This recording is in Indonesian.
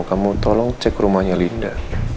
kamu tolong cek rumahnya linda